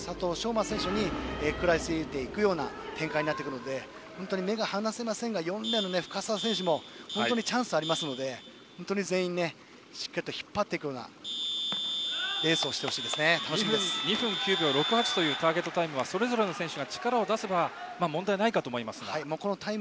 馬選手に食らいついていくような展開になっていくので目が離せませんが４レーンの深沢選手も本当にチャンスはありますので全員しっかり引っ張っていくような２分９秒６８というターゲットタイムはそれぞれの選手が力を出せば問題ないかと思いますが。